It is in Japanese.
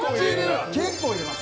結構入れます。